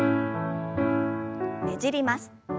ねじります。